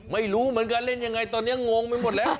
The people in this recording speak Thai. ไม่รู้เหมือนกันเล่นยังไงตอนนี้งงไปหมดแล้ว